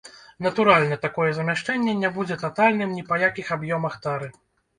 Натуральна, такое замяшчэнне не будзе татальным ні па якіх аб'ёмах тары.